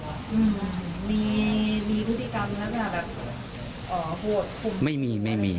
มีพฤติกรรมอย่างนั้นหรือเปล่า